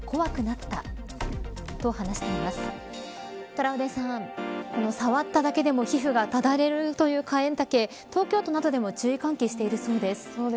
トラウデンさん、この触っただけでも皮膚がただれるというカエンタケ、東京都などでも注意喚起をしているそうです。